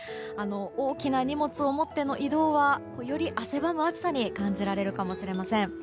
大きな荷物を持っての移動はより汗ばむ暑さを感じられるかもしれません。